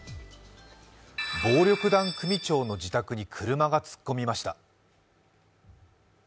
暴力団組長の自宅に車が突っ込みました。